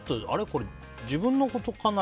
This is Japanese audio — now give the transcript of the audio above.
これ自分のことかな？